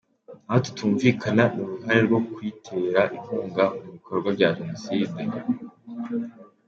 Aho tutumvikana ni uruhare rwo kuyitera inkunga mu bikorwa bya jenoside”.